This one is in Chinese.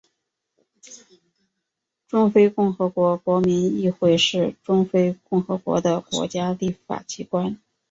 中非共和国国民议会是中非共和国的国家立法机关。